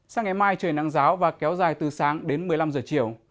sáng ngày mai trời nắng ráo và kéo dài từ sáng đến một mươi năm h chiều